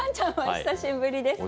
お久しぶりです。